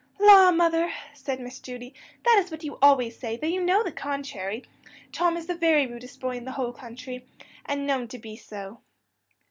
"La, mother," said Miss Judy, "that is what you always say, though you know the contrary; Tom is the very rudest boy in the whole country, and known to be so."